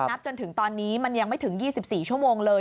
จนถึงตอนนี้มันยังไม่ถึง๒๔ชั่วโมงเลย